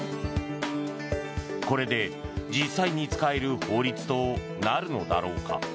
これで、実際に使える法律となるのだろうか。